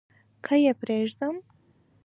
که يې پرېږدم .